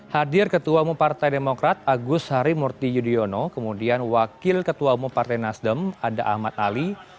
hadir ketua mumpartai demokrat agus harimurti yudhoyono kemudian wakil ketua umum partai nasdem ada ahmad ali